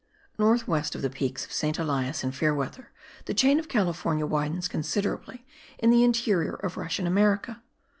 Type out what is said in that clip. North west of the peaks of Saint Elias and Fair Weather the chain of California widens considerably in the interior of Russian America.